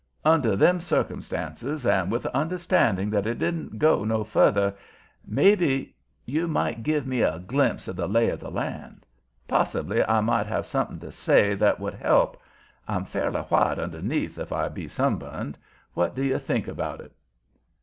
Under them circumstances, and with the understanding that it didn't go no farther, maybe you might give me a glimpse of the lay of the land. Possibly I might have something to say that would help. I'm fairly white underneath, if I be sunburned. What do you think about it?"